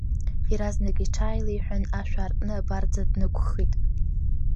Иаразнак иҽааилеиҳәан, ашә аартны абарҵа днықәххит.